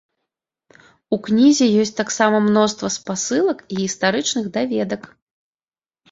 У кнізе ёсць таксама мноства спасылак і гістарычных даведак.